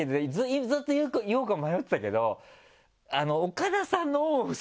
ずっと言おうか迷ってたけど。